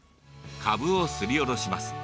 かぶをすりおろします。